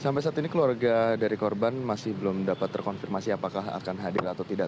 sampai saat ini keluarga dari korban masih belum dapat terkonfirmasi apakah akan hadir atau tidak